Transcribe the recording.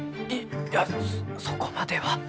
いやそこまでは。